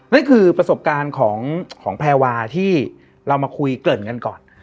นี่คือประสบการณ์ของแพรวาที่เรามาคุยเกริ่นกันก่อน